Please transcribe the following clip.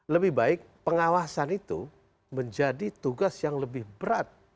lebih baik pengawasan itu menjadi tugas yang lebih berat